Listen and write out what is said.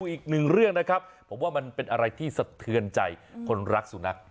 อีกหนึ่งเรื่องนะครับผมว่ามันเป็นอะไรที่สะเทือนใจคนรักสุนัข